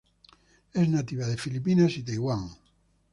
Es nativa de Filipinas y Taiwán.